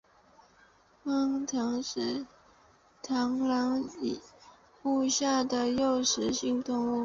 螳䗛是螳䗛目下的肉食性昆虫。